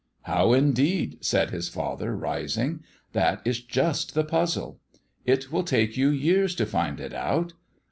"How indeed!" said his father, rising; "that is just the puzzle. It will take you years to find it out.